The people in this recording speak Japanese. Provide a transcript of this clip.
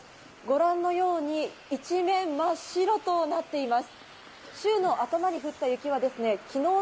ご覧のように一面真っ白となっています。